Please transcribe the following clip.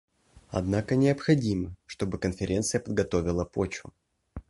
Однако необходимо, чтобы Конференция подготовила почву.